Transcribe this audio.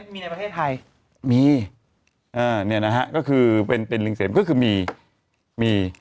มีในประเทศไทยมีอ่าเนี่ยนะฮะก็คือเป็นเป็นลิงเสมก็คือมีมี